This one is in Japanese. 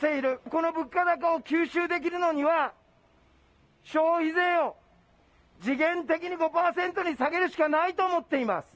この物価高を吸収できるのには消費税を時限的に５％に下げるしかないと思っています。